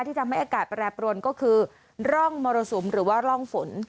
ที่ทำให้อากาศแปรปรวนก็คือร่องมรสุมหรือว่าร่องฝน